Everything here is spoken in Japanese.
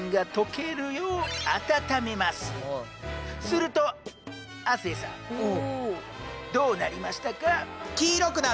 すると亜生さんどうなりましたか？